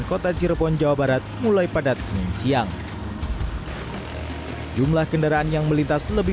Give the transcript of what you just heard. kota cirebon jawa barat mulai padat senin siang jumlah kendaraan yang melintas lebih